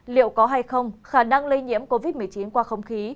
liệu có hay không khả năng lây nhiễm covid một mươi chín qua không khí